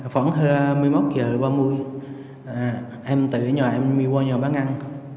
vẫn một mươi một h ba mươi em tới nhà em đi qua nhà bán ăn